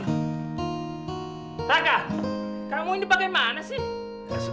haka kamu ini bagaimana sih